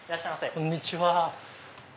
こんにちは。